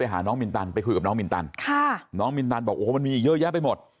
หาน้องมินตันไปคุยกับน้องมินตันค่ะน้องมินตันบอกโอ้โหมันมีอีกเยอะแยะไปหมด